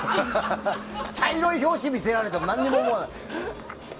茶色い表紙を見せられても何も思わない。